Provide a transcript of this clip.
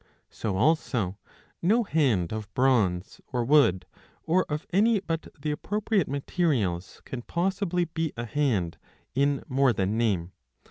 So also no hand of bronze or wood or of any but the appropriate materials can possibly be a hand in more than name.